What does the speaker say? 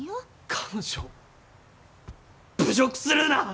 彼女を侮辱するな！